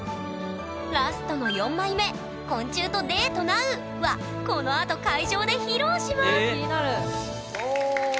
ラストの４枚目「昆虫とデートなう」はこのあと会場で披露します！